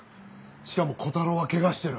しかも小太郎は怪我してる。